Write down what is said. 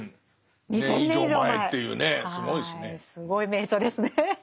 すごい名著ですね。